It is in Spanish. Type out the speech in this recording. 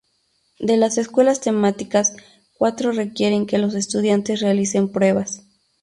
De las escuelas temáticas, cuatro requieren que los estudiantes realicen pruebas.